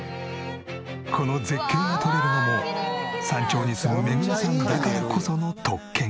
この絶景が撮れるのも山頂に住むめぐみさんだからこその特権。